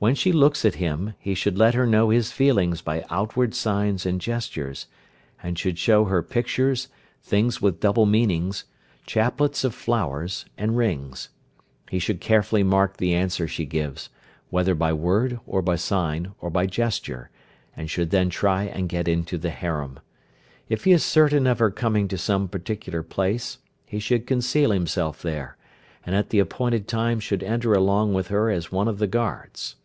When she looks at him he should let her know his feelings by outward signs and gestures, and should show her pictures, things with double meanings, chaplets of flowers, and rings. He should carefully mark the answer she gives, whether by word or by sign, or by gesture, and should then try and get into the harem. If he is certain of her coming to some particular place he should conceal himself there, and at the appointed time should enter along with her as one of the guards.